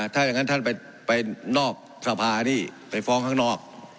ถ้าอย่างนั้นท่านไปนอกสภานี่ไปฟ้องข้างนอก